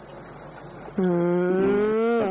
อืม